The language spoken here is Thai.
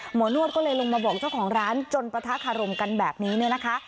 นวดก็เลยลงมาบอกเจ้าของร้านจนปะทะคารมกันแบบนี้เนี่ยนะคะ